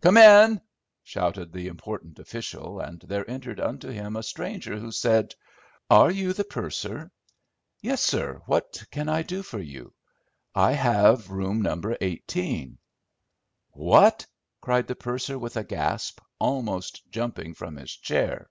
"Come in!" shouted the important official, and there entered unto him a stranger, who said—"Are you the purser?" "Yes, sir. What can I do for you?" "I have room No. 18." "What!" cried the purser, with a gasp, almost jumping from his chair.